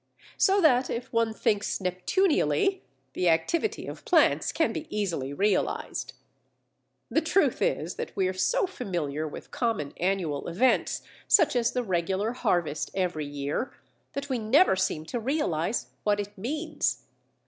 So that, if one thinks Neptunially, the activity of plants can be easily realized. The truth is that we are so familiar with common annual events, such as the regular harvest every year, that we never seem to realize what it means.